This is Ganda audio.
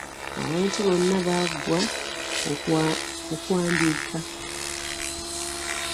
Abantu bonna baggwa okwandiika.